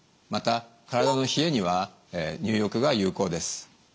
また体の冷えには入浴が有効です。